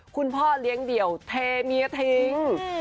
คุณพ่อเลี้ยงเดี่ยวเทเมียทิ้ง